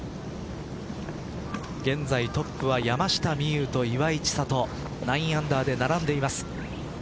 現在トップは山下美夢有と岩井千怜９アンダーで並んでいます。